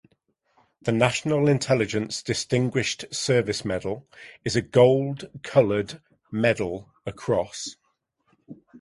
The National Intelligence Distinguished Service Medal is a gold colored medal across.